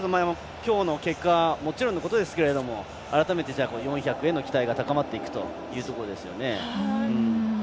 きょうの結果もちろんのことですけども改めて４００への期待が高まっていくというところですね。